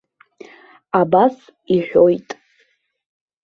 Абас иҳәоит.